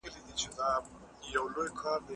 زه به سبا د سبا لپاره د درسونو يادونه وکړم!.